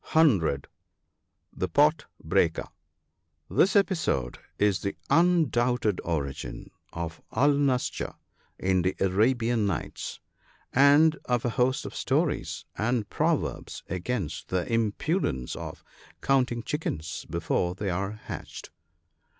(100.) The Pot breaker, — This episode is the undoubted origin of " Al naschar " in the Arabian Nights ; and of a host of stories and pro verbs against the imprudence of "counting chickens before they are hatched."